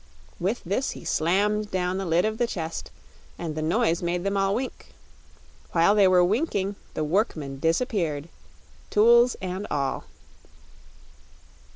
With this he slammed down the lid of the chest, and the noise made them all wink. While they were winking the workman disappeared, tools and all.